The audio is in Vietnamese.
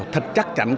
thật chắc chắn